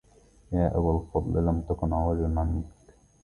يا أبا الفضل لم تكن عوجة منك